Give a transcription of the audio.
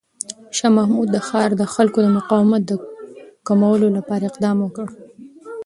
شاه محمود د ښار د خلکو د مقاومت د کمولو لپاره اقدامات وکړ.